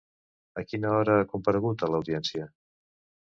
A quina hora ha comparegut a l'Audiència?